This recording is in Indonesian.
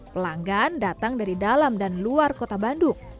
pelanggan datang dari dalam dan luar kota bandung